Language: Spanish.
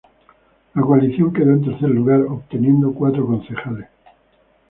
La coalición quedó en tercer lugar, obteniendo cuatro concejales.